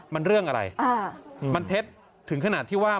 มันเรื่องอะไรมันเท็จถึงขนาดที่ว่า